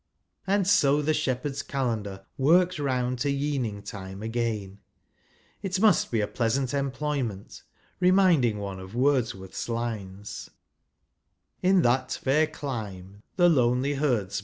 And so the Shepherd's Calendar works round to 3'eaning time again ! It must be a pleasant employment; reminding one of Wordsworth's lines —" In that fair dime, the lonely hei'dsm.